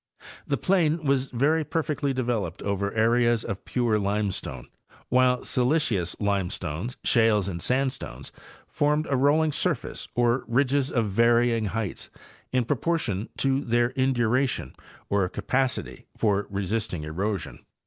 The plain was very perfectly developed over areas of pure limestone, while silicious limestones, shales and sandstones formed a rolling surface or ridges of varying heights, in proportion to their induration or capacity for resist ing erosion.